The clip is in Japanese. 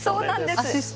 アシスト。